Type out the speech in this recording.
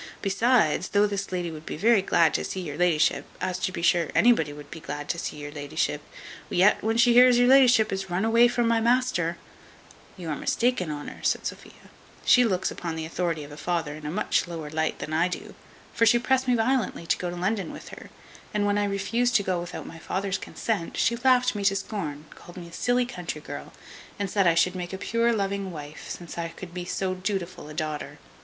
Besides, though this lady would be very glad to see your la'ship, as to be sure anybody would be glad to see your la'ship, yet when she hears your la'ship is run away from my master " "You are mistaken, Honour," says Sophia: "she looks upon the authority of a father in a much lower light than I do; for she pressed me violently to go to London with her, and when I refused to go without my father's consent, she laughed me to scorn, called me silly country girl, and said, I should make a pure loving wife, since I could be so dutiful a daughter.